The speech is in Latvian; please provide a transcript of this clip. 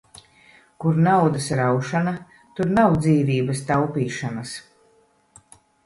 Kur naudas raušana, tur nav dzīvības taupīšanas.